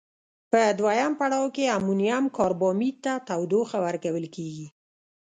په دویم پړاو کې امونیم کاربامیت ته تودوخه ورکول کیږي.